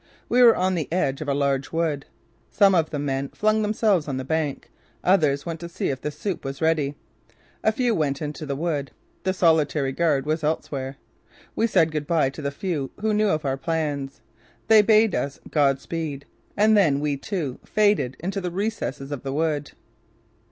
We were on the edge of a large wood. Some of the men flung themselves on the bank; others went to see if the soup was ready. A few went into the wood. The solitary guard was elsewhere. We said good bye to the few who knew of our plans. They bade us God speed and then we, too, faded into the recesses of the wood.